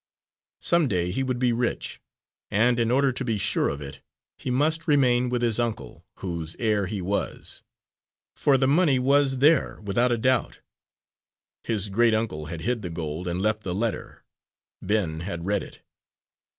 Some day he would be rich, and in order to be sure of it, he must remain with his uncle, whose heir he was. For the money was there, without a doubt. His great uncle had hid the gold and left the letter Ben had read it.